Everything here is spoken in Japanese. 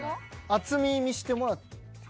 厚み見してもらって。